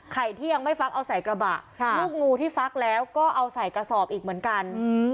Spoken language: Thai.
ที่ยังไม่ฟักเอาใส่กระบะลูกงูที่ฟักแล้วก็เอาใส่กระสอบอีกเหมือนกัน